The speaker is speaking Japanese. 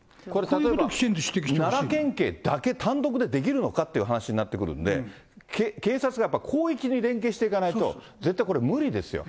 例えば奈良県警だけ、単独でできるのかっていう話になってくるんで、警察がやっぱり広域に連携していかないと、絶対これ、無理ですよ。